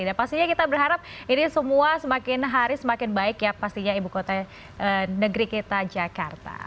dan pastinya kita berharap ini semua semakin hari semakin baik ya pastinya ibu kota negeri kita jakarta